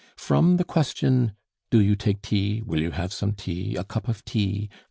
From the question, "Do you take tea?" "Will you have some tea?" "A cup of tea?"